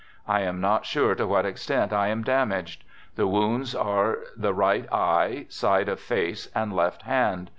I am not sure to what extent I am damaged. The wounds are the right eye, side of face, and left hand.